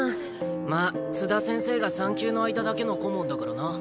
ま津田先生が産休の間だけの顧問だからな。